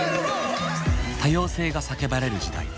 多様性が叫ばれる時代